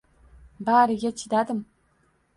Bariga chidadim